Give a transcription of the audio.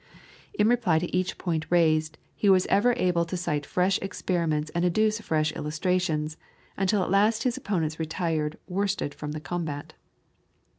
In reply to each point raised, he was ever able to cite fresh experiments and adduce fresh illustrations, until at last his opponents retired worsted from the combat.